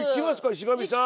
石神さん。